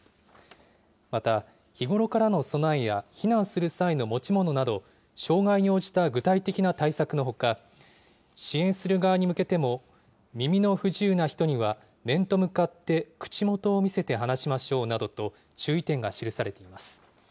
また、日頃からの備えや避難する際の持ち物など、障害に応じた具体的な対策のほか、支援する側に向けても、耳の不自由な人には面と向かって口元を見せて話しましょうなどと、注意点が記されています。